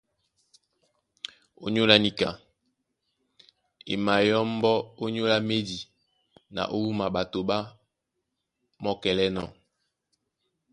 Ónyólá níka, e mayɔ́mbɔ́ ónyólá médi na ó wúma ɓato ɓá mɔ́kɛlɛ́nɔ̄.